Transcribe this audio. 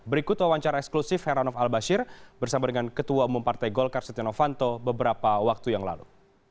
berikut wawancara eksklusif heranov al bashir bersama dengan ketua umum partai golkar setia novanto beberapa waktu yang lalu